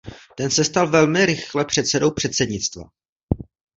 Ten se stal velmi rychle předsedou předsednictva.